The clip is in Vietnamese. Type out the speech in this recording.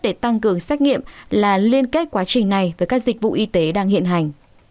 để tăng cường xét nghiệm là liên kết quá trình này với các dịch vụ y tế đang hiện hành